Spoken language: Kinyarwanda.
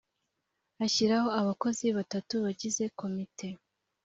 ashyiraho abakozi batatu bagize komite